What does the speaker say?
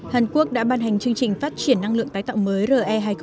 hàn quốc đã ban hành chương trình phát triển năng lượng thái tạo mới re hai nghìn ba mươi